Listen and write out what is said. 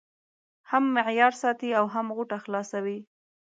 هم معیار ساتي او هم غوټه خلاصوي.